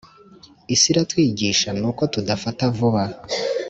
Isi iratwigisha nuko tudafata vuba